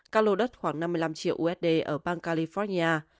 các lô đất khoảng năm mươi năm triệu usd ở bang california